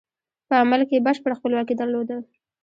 په عمل کې یې بشپړه خپلواکي درلوده.